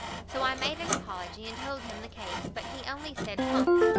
So I made an apology, and told him the case; but he only said humph?